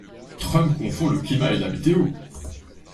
Trump confond le climat et la météo.